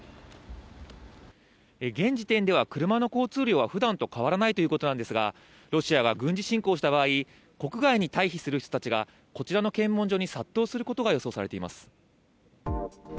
現時点では車の交通量は普段と変わらないということなんですがロシアが軍事侵攻した場合国外に退避する人がこちらの検問所に殺到することが予想されています。